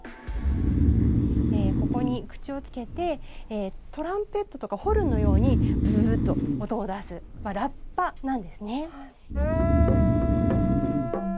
ここに口をつけてトランペットとかホルンのように「ブー」と音を出すラッパなんですね。